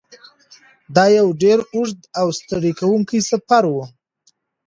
دا یو ډېر اوږد او ستړی کوونکی سفر و.